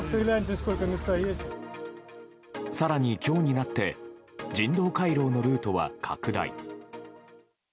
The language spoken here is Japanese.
更に今日になって人道回廊のルートは拡大。